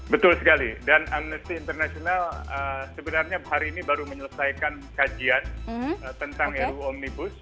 betul sekali dan amnesty international sebenarnya hari ini baru menyelesaikan kajian tentang ruu omnibus